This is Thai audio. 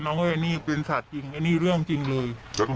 น้องเฮ้ยอันนี้เปลี่ยนสัตว์จริงอันนี้เรื่องจริงเลย